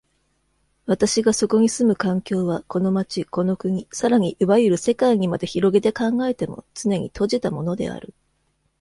私がそこに住む環境は、この町、この国、更にいわゆる世界にまで拡げて考えても、つねに閉じたものである。